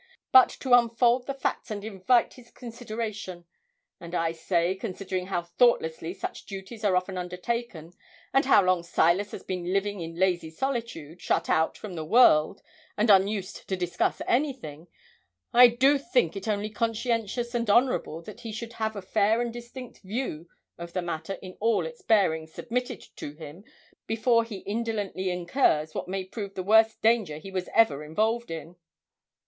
but to unfold the facts and invite his consideration; and I say, considering how thoughtlessly such duties are often undertaken, and how long Silas has been living in lazy solitude, shut out from the world, and unused to discuss anything, I do think it only conscientious and honourable that he should have a fair and distinct view of the matter in all its bearings submitted to him before he indolently incurs what may prove the worst danger he was ever involved in.'